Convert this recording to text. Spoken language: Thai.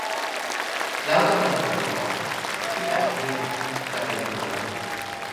แล้วจะเป็นทำไมวะ พี่แบ่คเนี่ย จะเป็นทำไม